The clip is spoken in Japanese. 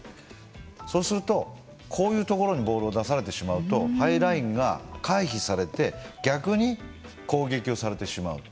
そうすると、こういうところにボールを出されてしまうとハイラインが回避されて逆に攻撃をされてしまう。